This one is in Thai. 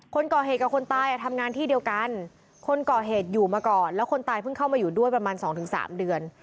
คนก่อเหตุกับคนตายอ่ะทำงานที่เดียวกันคนก่อเหตุอยู่มาก่อนแล้วคนตายเพิ่งเข้ามาอยู่ด้วยประมาณ๒๓เดือน